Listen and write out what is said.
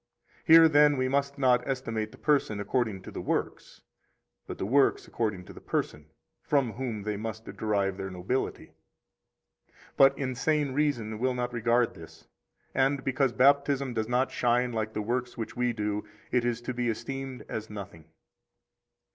Here, then, we must not estimate the person according to the works, but the works according to the person, from whom they must derive their nobility. 13 But insane reason will not regard this, and because Baptism does not shine like the works which we do, it is to be esteemed as nothing.